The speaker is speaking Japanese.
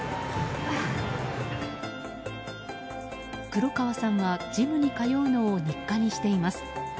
黒川さんはジムに通うのを日課にしています。